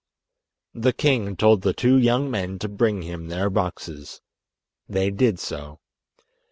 The king told the two young men to bring him their boxes. They did so.